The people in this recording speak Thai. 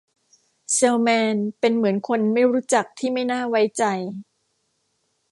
เซลล์แมนเป็นเหมือนคนไม่รู้จักที่ไม่น่าไว้ใจ